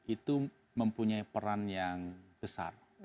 itu mempunyai peran yang besar